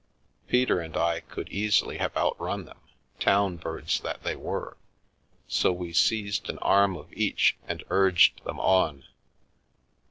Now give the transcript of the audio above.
Peter and I could easily have outrun them, town birds that they were, so we seized an arm of each and urged them on.